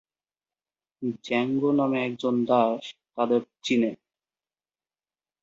Zango নামে একজন দাস তাদের চিনে।